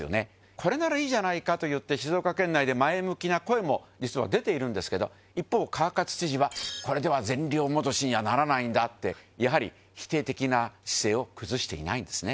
これならいいじゃないかといって轍發覗宛Ⅳ弊爾実は出ているんですけど貶川勝知事はこれでは全量戻しにはならないんだって笋呂否定的な姿勢を崩していないんですね。